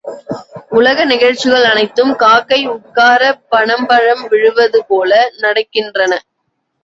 உலக நிகழ்ச்சிகள் அனைத்தும் காக்கை உட்காரப் பனம்பழம் விழுவதுபோல நடக்கின்றன.